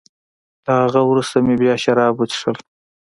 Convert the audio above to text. له هغه وروسته مې بیا شراب وڅېښل.